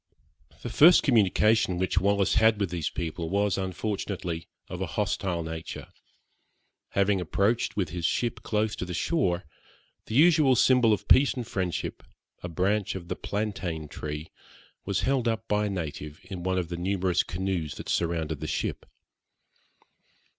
The first communication which Wallis had with these people was unfortunately of a hostile nature. Having approached with his ship close to the shore, the usual symbol of peace and friendship, a branch of the plantain tree, was held up by a native in one of the numerous canoes that surrounded the ship.